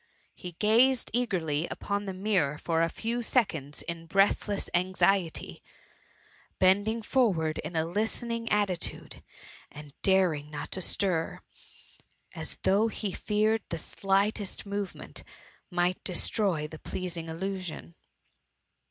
He gassed eagerly upon the mirror for a few seconds in breathless anxiety, bending forwards in a listening attitude, and not daring to stir, as though he feared the slightest movement might destroy the pleasing illusion.